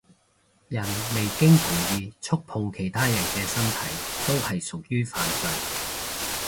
人未經同意觸碰其他人嘅身體都係屬於犯罪